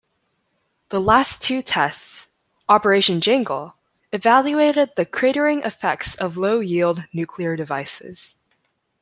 The last two tests, Operation "Jangle", evaluated the cratering effects of low-yield nuclear devices.